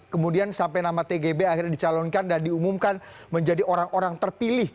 kemudian sampai nama tgb akhirnya dicalonkan dan diumumkan menjadi orang orang terpilih